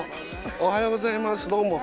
おはようございますどうも。